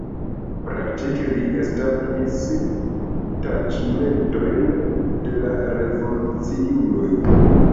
Praktike li establis taĉmentojn de la revoluciuloj.